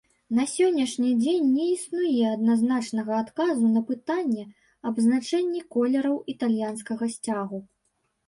На сённяшні дзень не існуе адназначнага адказу на пытанне аб значэнні колераў італьянскага сцягу.